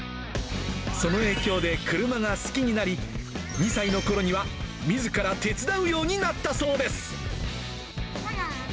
その影響で、車が好きになり、２歳のころにはみずから手伝うようになったそうです。